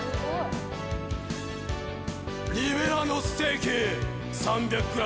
リベラのステーキ３００ｇ。